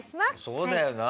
そうだよな